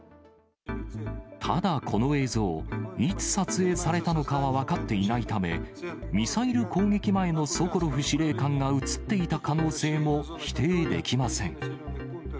ただこの映像、いつ撮影されたのかは分かっていないため、ミサイル攻撃前のソコロフ司令官が写っていた可能性も否定できません。